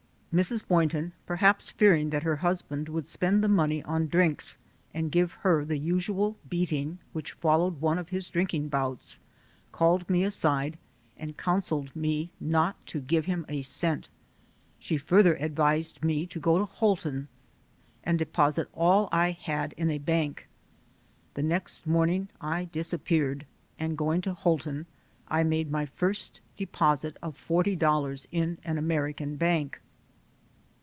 Boynton, perhaps fearing that her husband would spend the money on drinks and give her the usual beating which followed one of his drinking bouts, called me aside and coun selled me not to give him a cent. She further ad vised me to go to Houlton and deposit all I had in a bank. The next morning I disappeared, and going to Houlton, I made my first deposit of $40 in an American bank.